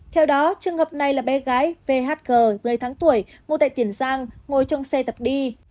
theo đó trường hợp này là bé gái vhg một mươi tháng tuổi ngụ tại tiền giang ngồi trong xe tập đi